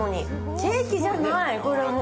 ケーキじゃない、これもう。